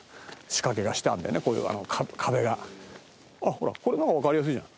ほらこれの方がわかりやすいじゃん。